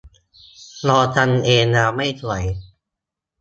ลองทำเองแล้วไม่สวย